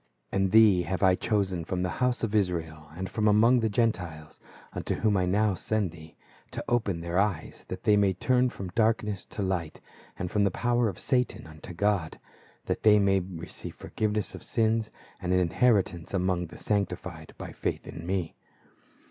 And thee have I chosen from the house of Israel, and from among the Gentiles ; unto whom I now send thee, to open their eyes, that they may turn from darkness to light, and from the power of Satan unto God ; that they may re ceive forgiveness of sins, and an inheritance among the sanctified by faith in me.